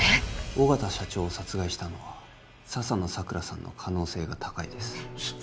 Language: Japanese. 緒方社長を殺害したのは笹野桜さんの可能性が高いですえっ